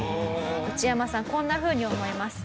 ウチヤマさんこんなふうに思います。